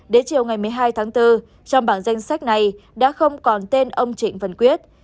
đến chiều ngày một mươi hai tháng bốn trong bảng danh sách này đã không còn tên ông trịnh văn quyết